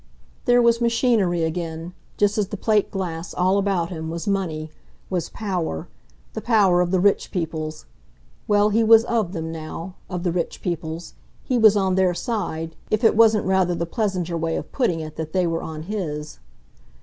There was machinery again, just as the plate glass, all about him, was money, was power, the power of the rich peoples. Well, he was OF them now, of the rich peoples; he was on their side if it wasn't rather the pleasanter way of putting it that they were on his.